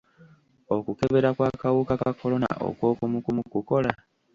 Okukebera kw'akawuka ka kolona okw'okumukumu kukola?